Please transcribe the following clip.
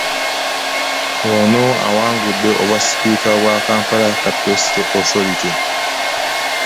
Ono awangudde obwa sipiika bwa Kampala Capital City Authority.